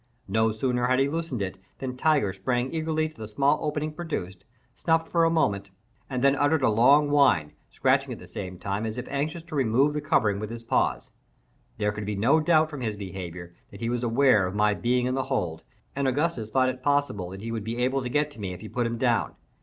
No sooner had he loosened it than Tiger sprang eagerly to the small opening produced, snuffed for a moment, and then uttered a long whine, scratching at the same time, as if anxious to remove the covering with his paws. There could be no doubt, from his behaviour, that he was aware of my being in the hold, and Augustus thought it possible that he would be able to get to me if he put him down.